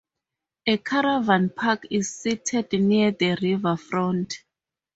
A caravan park is sited near the riverfront.